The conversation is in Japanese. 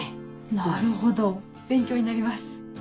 なるほど勉強になります。